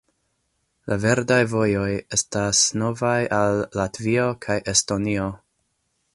La verdaj vojoj estas novaj al Latvio kaj Estonio.